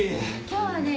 今日はね